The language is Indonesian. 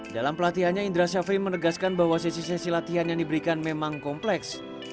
dalam pelatihannya indra syafri menegaskan bahwa sesi sesi latihan yang diberikan memang kompleks